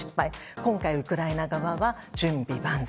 今回、ウクライナ側は準備万全。